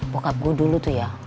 bokap gue dulu tuh ya